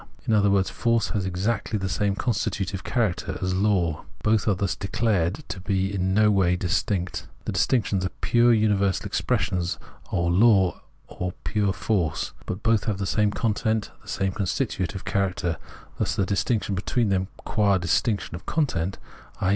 In other words, force has exactly the same constitutive character as law ; both are thus declared to be in no way distiuct. The distinctions are pure universal expression or law and pure force ; but both have the same content, the same constitutive character ; thus the distinction between them qua distinction of content, i.